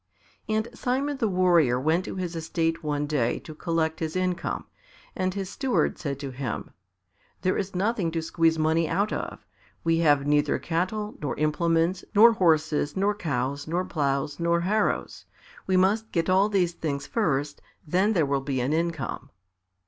And Simon the Warrior went to his estate one day to collect his income, and his steward said to him, "There is nothing to squeeze money out of; we have neither cattle, nor implements, nor horses, nor cows, nor ploughs, nor harrows; we must get all these things first, then there will be an income."